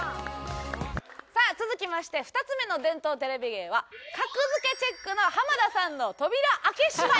さあ続きまして２つ目の伝統テレビ芸は『格付けチェック』の浜田さんの扉開け閉め。